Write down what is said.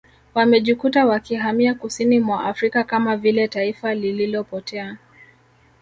Wamejikuta wakihamia kusini mwa Afrika Kama vile taifa lililopotea